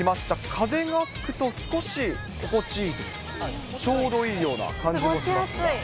風が吹くと、少し心地いいと、ちょうどいいような感じもしますが。